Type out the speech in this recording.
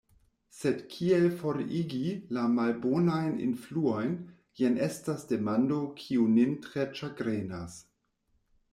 Sed kiel forigi la malbonajn influojn, jen estas demando, kiu nin tre ĉagrenas